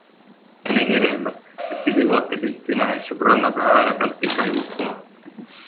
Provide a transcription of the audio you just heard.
Naine kirjeldab, et pidi vaatepilti nähes sõbrannaga äärepealt pikali kukkuma.